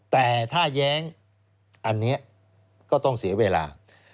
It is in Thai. แต่ถ้าแย้งอันนี้ก็ต้องเสียเวลา